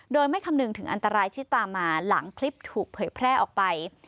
โดยไม่คำนึงถึงอันตรายที่ตามมาหลังคลิปถูกเผยแพร่ออกไป